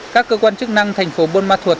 các cơ quan chức năng thành phố bôn ma thuật